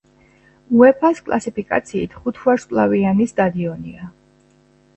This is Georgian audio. უეფა-ს კლასიფიკაციით ხუთვარსკვლავიანი სტადიონია.